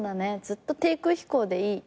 ずっと低空飛行でいい。